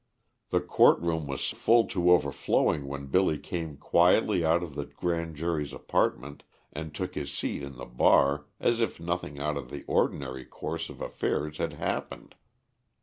The court room was full to overflowing when Billy came quietly out of the grand jury's apartment and took his seat in the bar as if nothing out of the ordinary course of affairs had happened.